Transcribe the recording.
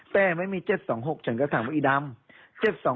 แต่ไม่มี๗๒๖ฉันก็ถามว่าอีดำ